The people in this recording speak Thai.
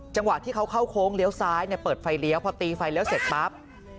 จังหวะที่เขาเข้าโค้งเลี้ยวซ้ายเปิดไฟเลี้ยวพอตีไฟเลี้ยวเสร็จปั๊บ